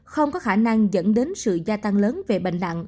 không có khả năng dẫn đến sự gia tăng lớn